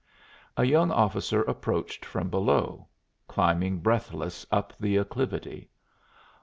A young officer approached from below, climbing breathless up the acclivity.